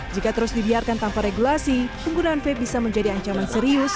jika terus dibiarkan tanpa regulasi penggunaan vape bisa menjadi ancaman serius